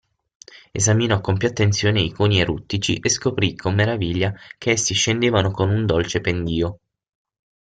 Esaminò con più attenzione i coni eruttici e scoprì con meraviglia che essi scendevano con un dolce pendio.